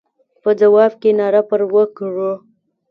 په ځواب کې ناره پر وکړه.